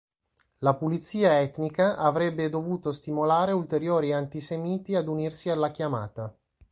La pulizia etnica avrebbe dovuto stimolare ulteriori antisemiti ad unirsi alla chiamata.